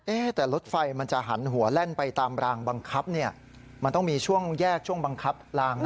เอ๊ะแต่รถไฟมันจะหันหัวแลนไปตามรางบังคับมันต้องมีช่วงแยกบังคับลางน่ะ